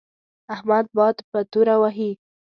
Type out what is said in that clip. احمد باد په توره وهي.